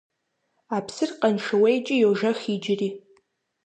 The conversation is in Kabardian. А псыр Къаншыуейкӏи йожэх иджыри.